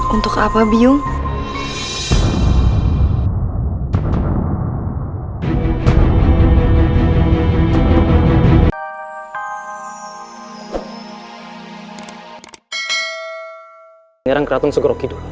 untuk apa biung